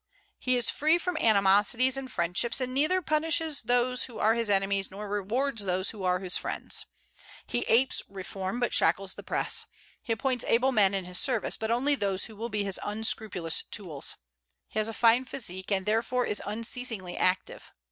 He is free from animosities and friendships, and neither punishes those who are his enemies nor rewards those who are his friends. He apes reform, but shackles the press; he appoints able men in his service, but only those who will be his unscrupulous tools. He has a fine physique, and therefore is unceasingly active.